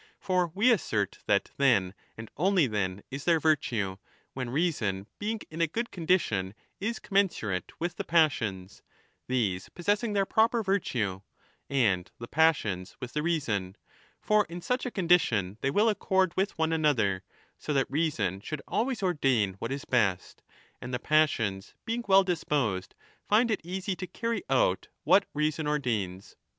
For we assert lo that then, and only then, is there virtue, when reason being in a good condition is commensurate with the passions, these possessing their proper virtue, and the passions with the reason ; for in such a condition they will accord with one another, so that reason should always ordain what is best, and the passions being well disposed find it easy to carry out what reason ordains.